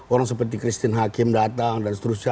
orang seperti christine hakim datang dan seterusnya